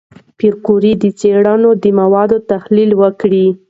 پېیر کوري د څېړنو د موادو تحلیل وکړ.